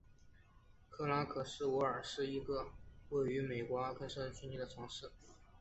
克拉克斯维尔是一个位于美国阿肯色州约翰逊县的城市。